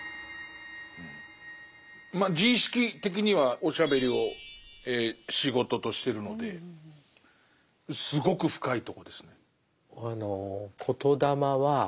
まあ自意識的にはおしゃべりを仕事としてるのですごく深いとこですね。